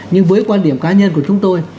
nhưng với quan điểm cá nhân của chúng tôi